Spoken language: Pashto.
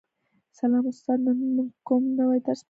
سلام استاده نن موږ کوم نوی درس پیلوو